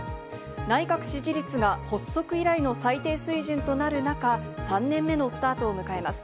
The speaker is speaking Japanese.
内閣支持率が発足以来の最低水準となる中、３年目のスタートを迎えます。